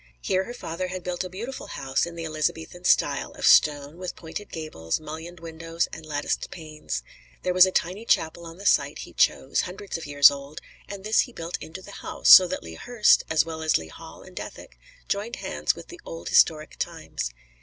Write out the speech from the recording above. Here her father had built a beautiful house in the Elizabethan style, of stone, with pointed gables, mullioned windows and latticed panes. There was a tiny chapel on the site he chose, hundreds of years old, and this he built into the house, so that Lea Hurst, as well as Lea Hall and Dethick, joined hands with the old historic times.